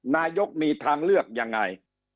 นายกมีทางเลือกยังไง